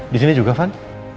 di sini juga van